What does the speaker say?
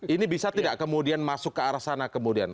ini bisa tidak kemudian masuk ke arah sana kemudian